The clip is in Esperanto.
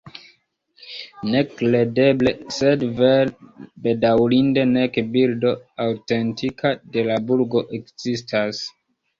Nekredeble sed vere: bedaŭrinde nek bildo aŭtentika de la burgo ekzistas.